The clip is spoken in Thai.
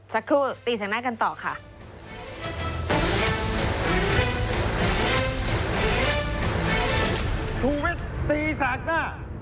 สักครู่ตีแสงหน้ากันต่อค่ะ